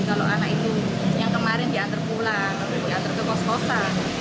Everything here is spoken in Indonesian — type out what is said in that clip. kalau anak itu yang kemarin diantar pulang diantar ke kos kosan